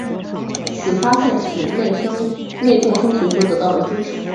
此发现使内共生学说得到了支持。